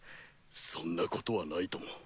そんなことはないとも。